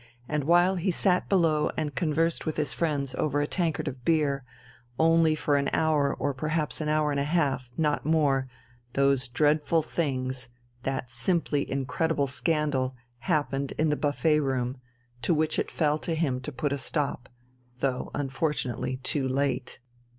And while he sat below and conversed with his friends over a tankard of beer, only for an hour or perhaps an hour and a half, not more, those dreadful things, that simply incredible scandal, happened in the buffet room, to which it fell to him to put a stop, though unfortunately too late.